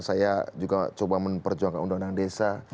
saya juga coba memperjuangkan undang undang desa